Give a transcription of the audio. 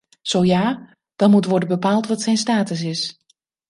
Zo ja, dan moet worden bepaald wat zijn status is.